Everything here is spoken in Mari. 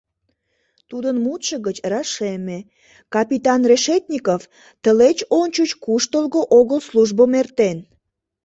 Тудын мутшо гыч рашеме: капитан Решетников тылеч ончыч куштылго огыл службым эртен.